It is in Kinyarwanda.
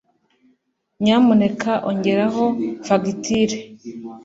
nyamuneka ongeraho fagitire